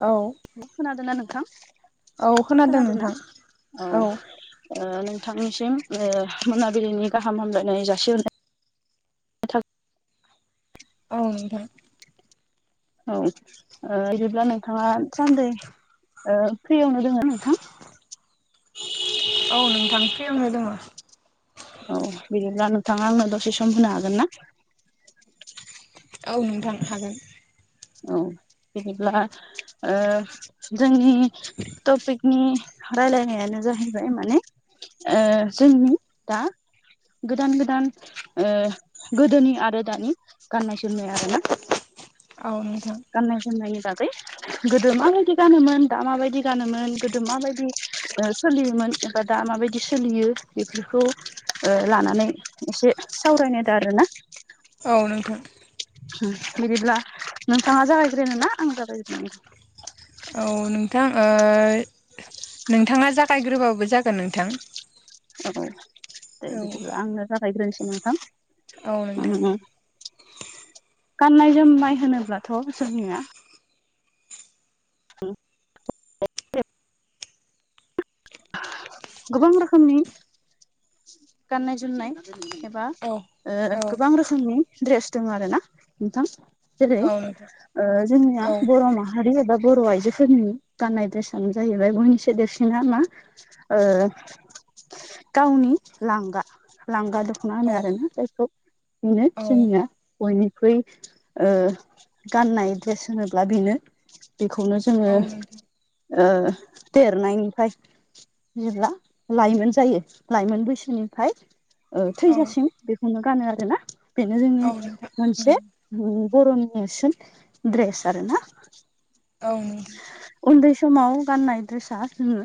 औ खोनादोंना नोंथां औ खोनादों खोनादोंना नोंथां औ नोंथांनिसिम मोनाबिलिनि गाहाम हामलायनाय जासिहरबाय औ नोंथां औ बिदिब्ला नोंथाङा थान्दै फ्रियावनो दङ' नोंथां औ नोंथां फ्रियावनो दङ'। औ बिदिब्ला नोंथाङा आंनो दसे सम होनो हागोन ना? औ नोंथां हागोन। औ बिदिब्ला ओ जोंनि तपिकनि रायलायनायानो जाहै ओमफ्राय माने ओ जोंनि दा गोदान गोदान गोदोनि आरो ओ दानि गाननाय जोमनाय आरोना। औ नोथां गाननाय जोमनायनि बागै गोदो माबायदि गानोमोन दा माबायदि गानोमोन गोदो माबायदि ओ सोलियोमोन। बा दा माबायदि सोलियो बेफोरखौ ओलानानै एसे सावरायनायदो आरोना। औ नोंथां। बिदिब्ला नोंथाङा जागायग्रो ना आं जागायग्रोनि? औ नोंथां ओ नोंथाङा जागायग्रोबाबो जागोन नोंथां। औ दे औ बिदिबा आंनै जागायग्रोनिसै नोंथां औ नोंथां उम गाननाय जोमनाय होनोब्लाथ' जोंनिया [unintelligible] गोबां रोखोमनि गाननाय जोमनाय एबा औ औ गोबां रोखोमनि दड्रेस दङ आरो ना नोंथां। जेरै औ नोंथां ओ जोंनिया औ बर' ना हारि एबा बर' आइजोफोरनि गानाय ड्रेसानो जाहैबाय बयनिसो देरसिना मा? ओ‌ गावनि लांगा लांगा द खना होनो औ आरो जायखौ नो औ जोंनिया बयनिख्रुइ ओ गाननाय ड्रेस होनोब्ला बेनो। बेखौनो जोङो औ नोंथां ओ देरनायनिफ्राय जेब्ला लाइमोन जायो लाइमोन बैसोनिफ्राय औ थैजासिम लामाखौनो गानो आरोना बेनो जोंनि औ नोंथां मोनसे नंगौ उम बर'नि नेरसोन फ्रेस आरोना। औ उन्दै समाव गाननाय ड्रेसा जोङो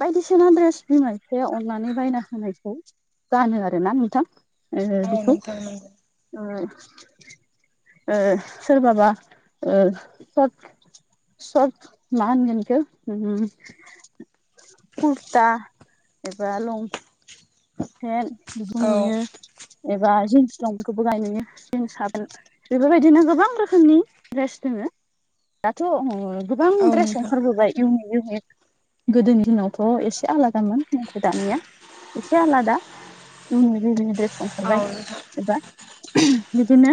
बायदिसिना ड्रेस बिमा बिफाया अननानै बायना होनायखौ गानो आरोना नोंथां ओ औ बेखौ नोंथां नंगौ ओ ओ सोरबाबा ओ स'र्थ स'र्थ मा होनगोन इखो उम कुरता एबा लंफे न बेखौ औ नुयो एबा जिन्स दंखौबो गाय नुयो जिन्स [unintelligible] बेफोरबायदिनो गोबां रोखोमनि ड्रेस दोङो दाथ' गोबां औ ड्रेस नोंथां ओंखारबोबाय इउनिक इउनिक गोदोनि दिनावथ' एसे आलादामोन। नाथाय दानिया एसे आलादा [unintelligible] ड्रेस औ ओंखारबाय नोंथां एबा बिदिनो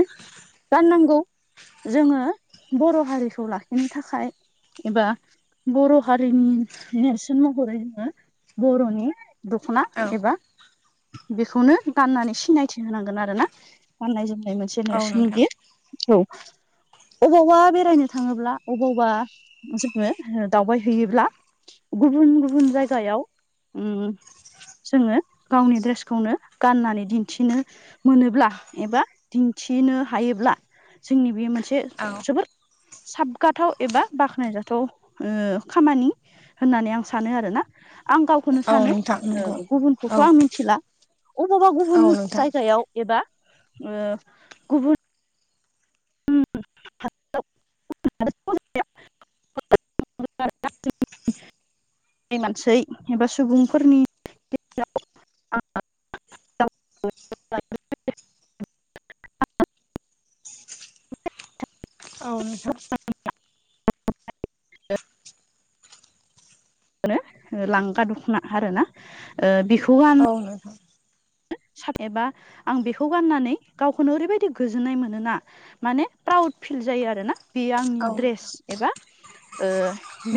गाननांगौ। जोङो बर' हारिखौ लाखिनो थाखाय एबा बर' हारिनि नेरसोन महरै जोङो बर'नि दखना औ एबा बेखौनो गाननानै सिनायथि होनांगोन आरोना गाननाय जोमनाय मोनसे औ नेरसोननि नोंथां बेयो औ अबावबा बेरायनो थाङोब्ला अबावबा जोङो दावबायहैयोब्ला गुबुन गुबुन जायगायाव उम जोङो गावनि ड्रेसखौनो गाननानै दिन्थिनो मोनोब्ला एबा दिन्थिनो हायोब्ला जोंनि बे मोनसे औ जोबोद साबगाथाव एबा बाख्नायजाथाव ओ खामानि। होननानै आं सानो आरोना आं गावखौनो औ सानो नोंथां नंगौ ओ खौथ औ आं मिथिला अबावबा औ गुबुन नोंथां जायगा सायाव एबा गुबुन [unintelligible] [unintelligible] मानसै एबा सुबुंफोरनि औ नोंथां [unintelligible] लांगा दखना आरोना बेखौ गा औ नोंथां एबा आं बेखौ गाननानै गावखौनो ओरैबायदि गोजोननाय मोनोना माने प्राउड फिल जायो आरो ना बे आंनि औ ड्रेस एबा ओ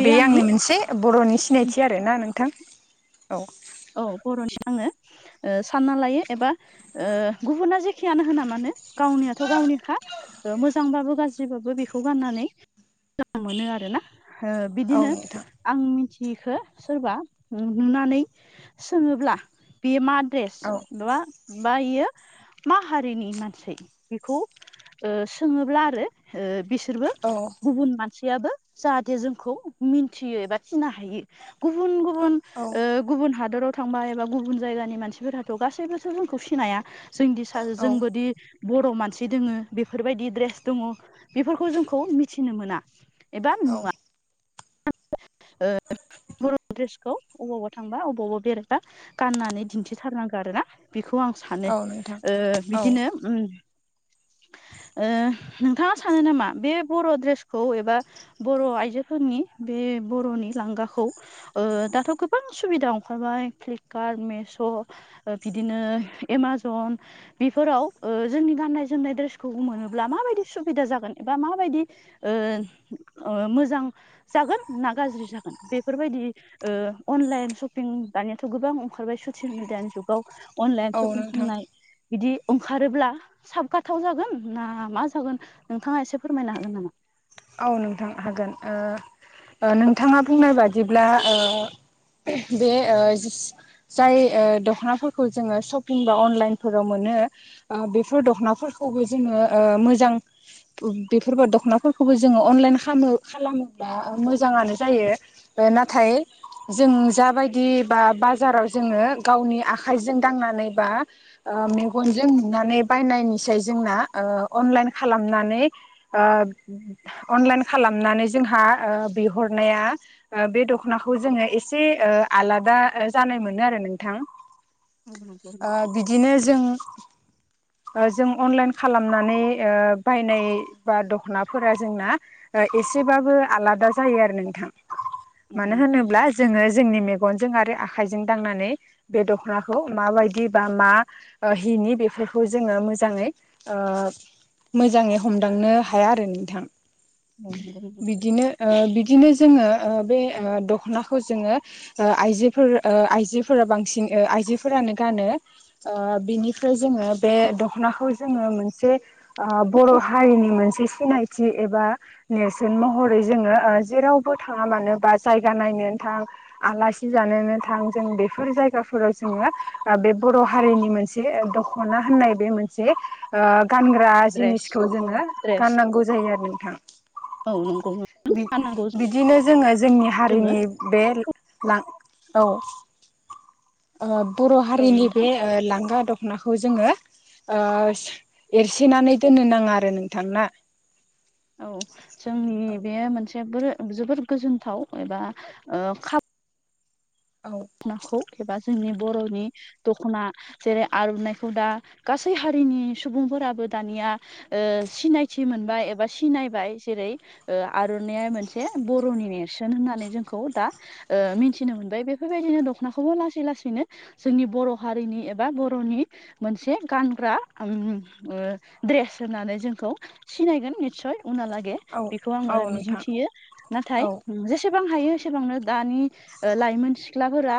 बे आंनि मोनसे बर'नि सिनायथि आरोना नोंथां औ औ बर'नि आङो ओ सानना लायो एबा ओ गुबुना जेखियानो होना मानो गावनियाथ' गावनिखा ओ मोजांबाबो गाज्रिबाबो बेखौ गाननानै मोजां मोनो आरो ना ओ औ बिदिनो नोंथां आं मिथियैखो सोरबा नुनानै सोङोब्ला बे मा ड्रेस औ माबा बा इयो मा हारिनि मानसै बेखौ ओ सोङोब्ला आरो बिसोरबो औ गुबुन मानसियाबो जाहाथे जोंखौ मिन्थियो एबा थिनो हायो गुबुन गुबुन ओ औ गुबुन हादराव थांबा एबा गुबुन जायगानि मानसिफोराथ' गासैबोथ' जोंखौ सिनाया जों औ जोंबोदि बर' मानसि दोङो बेफोरबायदि द्रेस दङ बेफोरखौ जोंखौ मिथिनो मोना एबा औ नुवा ओ बर' ड्रेसखौ अबावबा थांबा अबावबा बेरायबा गाननानै दिन्थिथारनांगौ आरो ना बेखौ आं सानो औ नोंथां ओ औ बिदिनो ओ नोंथाङा सानो नामा बे बर' ड्रेसखौ एबा बर' आइजोफोरनि बे बर'नि लांगाखौ ओ दाथ' गोबां सुबिदा ओंखारबाय फ्लिपकार्ट मेश' ओ बिदिनो एमाजन बेफोराव जोंनि गाननाय जोमनाय द्रेसखौ मोनोब्ला माबायदि सुबिदा जागोन एबा माबायदि ओ मोजां जागोन ना गाज्रि जागोन बेफोरबायदि ओ अनलाइन सशपिं दानियाथ' गोबां ओंखारबाय ससियेल मिडियानि जुगाव अनलाइन औ सपिं नोंथां खालामनाय बिदि ओंखारोब्ला साबगाथाव जागोन ना मा जागोन नोंथाङा एसे फोरमायनो हागोन नामा औ नोंथां हागोन ओ ओ नोंथाङा बुंनाय बादिब्ला ओ बे ओ जाय ओ दख'नाफोरखौ जोङो सपिं बा अनलाइनफोराव मोनो ओ बेफोर दख'नाफोरखौबो ओ जोङो मोजां बेफोरबो दख'ना खौबो जोङो अनलाइन खालामो खालामोब्ला मोजाङानो जायो नाथाय जों जाबायदि बा बाजाराव जोङो गावनि आखाइजों दांनानै बा ओ मेगनजों नुनानै बायनायनिसाय जोंना ओ अनलाइन खालामनानै ओ अनलाइन खालामनानै जोंहा ओ बिहरनाया बे दख'नाखौ जोङो एसे आलादा जानाय मोनो आरो नोंथां ओ [unintelligible] बिदिनो जों जों अनलाइन खालामनानै ओ बायनाय बा दख'ना फोरा जोंना एसेबाबो आलादा जायो आरो नोंथां मानो होनोब्ला जोङो जोंनि मेगनजों आरो आखाइजों दांनानै बे दख'नाखौ माबायदि बा मा हिनि बेफोरखौ जोङो मोजाङै ओ मोजाङै हमदांनो हाया आरो नोंथां बिदिनो ओ बिदिनो जोङो ओ बै दखनाखौ जोङो ओ आइजोफोर ओ आइजोफोरा बांसिन आइजोफोरानो गानो बिनिफ्राय जोङो बे दखनाखौ जोङो मोनसे आ बर' हारिनि मोनसे सिनायथि एबा नेरसोन महरै जोङो जेरावबो थाङा मानोबा जायगा नायनो थां आलासि जानोनो थां जों बेफोर जायगाफोराव जोङो बे बर' हारिनि मोन से दखना होननाय मोनसे ओ गानग्रा द्रेस जिनिसखौ औ द्रेस गानांगौ आरो नोंथां औ नंगौ फाननांगौ बिदिनो जोङो जोंनि जोङो हारिनि बे लां औ ओ बर' औ हारिनि नोंथां बे लांगा ग दखनाखौ जोङो ओ एरसेनानै दोननो नाङा आरो नोंथां ना औ जोंनि बेयो मोनसे जोबोद गोजोनथाव एबा ओ खा औ दखनाखौ एबा जोंनि बर'नि दख'ना जेरै आर'नाइखौ दा गासै हारिनि सुबुंफोराबो दानिया ओ सिनायथि मोनबाय एबा सिनायबाय जेरै आर'नाइ मोनसे बर'नि नेरसोन होननानै जोंखौ दा ओ मिथिनो मोनबाय बे बेफोरबायदिनो दख'नाखौबो लासै लासैनो जोंनि बर' हारिनि एबा बर'नि मोनसे गानग्रा द्रेस होननानै जोंखौ सिनायगोन निस्सय उनाहा लागै औ बेखौ आङो औ नोंथां मिजिंथियो नाथाय औ जे सेबां एसेबां हायो एसेबांनो दानि लाइमोन सि ख्लाफोरा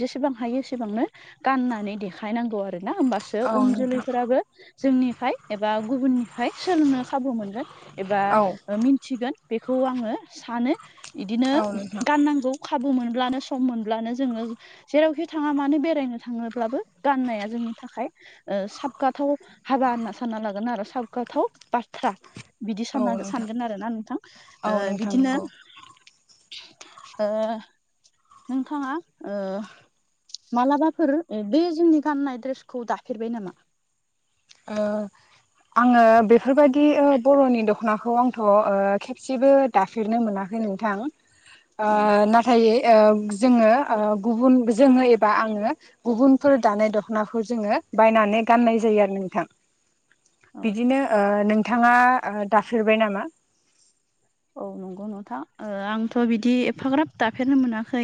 जेसेबां हायो एसेबांनो गाननानै देखायनांगौ आरो ना होमबासो औ उन नोंथां जोलैफोराबो जोंनिफ्राय एबा गुबुननि फाय सोलोंनो खाबु मोनगोन एबा औ मिन्थिगोन बेखौ आङो सानो बिदिनो औ नोंथां गाननांगौ खाबु मोनब्लानो सम मोनब्लानो जोङो जेरावखि थाङा मानो बेरायनो थाङोब्लाबो गाननाया जोंनि थाखाय साबगाथाव हाबा होनना सानना लागोन आरो साबगाथाव बाथ्रा बिदि औ सानना नोंथां सानगोन आरोना नोंथां औ ओ नोंथां बिदिनो नंगौ ओ नोंथाङा ओ मालाबाफोर बे जोंनि गाननाय ड्रेसखौ दाफेरबाय नामा ओ आङो बेफोरबायदि बर'नि दख'नाखौ आंथ' ओ खेबसेबो दाफेरनो मोनाखै नोंथां [inaudible] ओ नाथाय ओ जोङो ओ गुबुन जोङो एबा आङो गुबुनफोर दानाय दख'नाफोर जोङो बायनानै गाननाय जायो आरो नों थां औ बिदिनो ओ नोंथाङा ओ दाफेरबाय नामा औ नंगौ नोंथां ओ आंथ' बिदि एफाग्राब दाफेरनो मोनाखै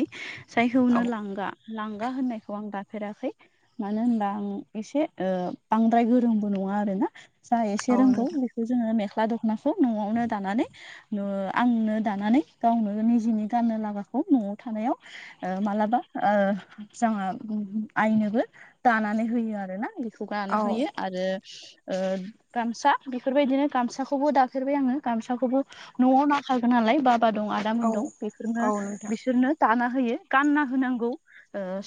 औ जायखौनो लांगा लांगा होननायखौ आं दाफेराखै मानो होनबा आं एसे ओ बांद्राय गोरोंबो नङा आरोना जा एसे औ रोंगौ नोंथां बेखौ जोङो मेख्ला दख'नाखौ न'आवनो दानानै आंनो दानानै गावनो निजेनि गाननो लाबाखौ न'आव थानायाव ओ मालाबा ओ जोंहा आइनोबो दानानै होयो आरो ना बेखौ गाना औ होयो आरो ओ गामसा बेफोरबायदिनो गामसाखौबो दाखेरबाय आङो गामसाखौबो न'आव नाखागोन नालाय बाबा दं आदामोन औ दं बेफोरनो औ नोंथां बिसोरनो दाना होयो गानना होनांगौ ओ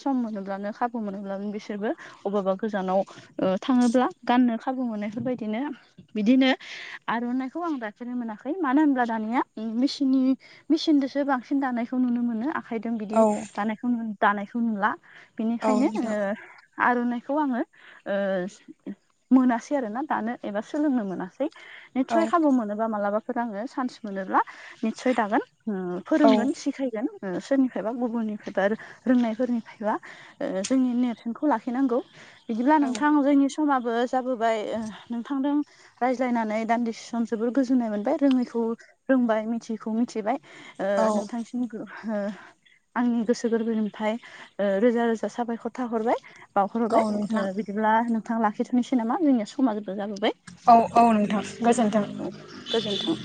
सम मोनोब्लानो खाबु मोनोब्लानो बिसोरबो अबेबा गोजानाव ओ थाङोब्ला गाननो खाबु मोननायफोर बायदिनो बिदिनो आर'नाइखौ आं दाफेनो मोनाखै मानो होनब्ला दानिया उम मेसिननि मेसिनदोसो बांसिन दानायखौ नुनो मोनो आं आखाइदों बिदि औ दानायखौ दानायखौ नुला औ बिनिखायनो नोंथां आङो आर'नाइखौ आङो ओ मोनासै आरो ना दानो एबा सोलोंनो मोनासै। औ निस्सय खाबु मोनोबा मालाबाफोर आङो चान्स मोनोब्ला निस्सय दागोन ओ औ फोरोंगोन सिखायगोन ओ सोरनिफाय बा गुबुननिफाय बा रोंनायफोरनिफाय बा ओ जोंनि नेरसोनखौ लाखिनांगौ बिदिब्ला नोंथां जोंनि समाबो जाबोबाय ओ नोंथांदों रायज्लायनानै दान्दिसे सम जोबोर गोजोननाय मोनबाय रोङैखौ रोंबाय मिथिखौ मिथिबाय ओ औ नोंथां ओ आंनि गोसो गोरबोनिफ्राय रोजा- रोजा साबायखर थाहरबाय। औ नोंथां बावहरोबाय बिदिब्ला नोंथां लाखिथ'नोसै नामा जोंनिया समाबो जाबोबाय। औ औ नोंथां गोजोन्थों। औ गोजोन्थों।